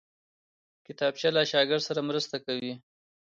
کتابچه له شاګرد سره مرسته کوي